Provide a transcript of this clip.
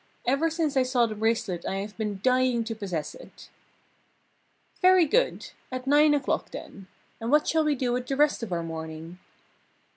Ever since I saw the bracelet I have been dying to possess it!" "Very good! At nine o'clock, then. And what shall we do with the rest of our morning?"